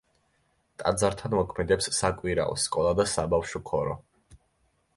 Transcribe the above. ტაძართან მოქმედებს საკვირაო სკოლა და საბავშვო ქორო.